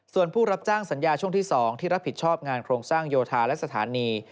ส่วนผู้รับจ้างสัญญาช่วงที่๒ที่รับผิดชอบงานโครงสร้างโยธาและสถานี